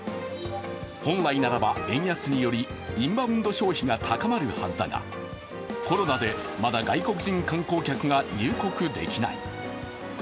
本来ならば円安によりインバウンド消費が高まるはずだがコロナでまだ外国人観光客が入国できない。